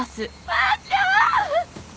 ばあちゃん！